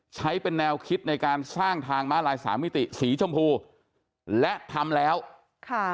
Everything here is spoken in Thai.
ใช้เป็นแนวคิดในการสร้างทางม้าลายสามมิติสีชมพูและทำแล้วค่ะ